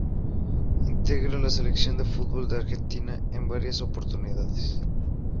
Integra la Selección de fútbol de Argentina en varias oportunidades.